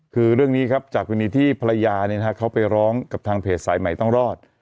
คือเรื่องนี้ครับจากกรณีที่ภรรยาเขาไปร้องกับทางเพจสายใหม่ต้องรอด